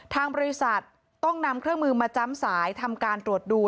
ทางบริษัทต้องนำเครื่องมือมาจำสายทำการตรวจดู